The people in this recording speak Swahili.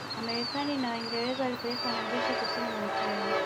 Wamarekani na Waingereza walipeleka wanajeshi Kusini mwa Italia